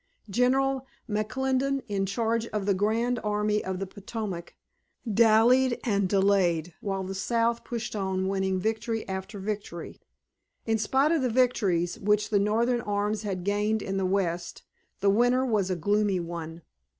General McClellan, in charge of the Grand Army of the Potomac, dallied and delayed, while the South pushed on winning victory after victory. In spite of the victories which the Northern arms had gained in the West the winter was a gloomy one.